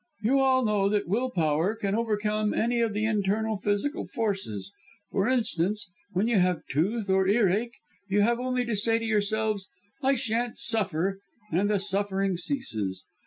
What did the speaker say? You all know that will power can overcome any of the internal physical forces; for instance, when you have tooth or ear ache you have only to say to yourselves: 'I shan't suffer' and the suffering ceases.